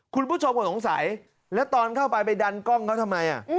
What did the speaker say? คุณผู้ชมก็สงสัยแล้วตอนเข้าไปไปดันกล้องเขาทำไม